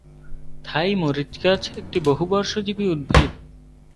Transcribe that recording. থাই মরিচ গাছ একটি বহুবর্ষজীবী উদ্ভিদ।